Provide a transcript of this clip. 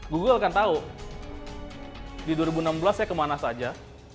google akan tahu di dua ribu enam belas saya kemana saja